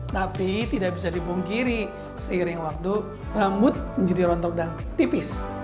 tapi tidak bisa dibungkiri seiring waktu rambut menjadi rontok dan tipis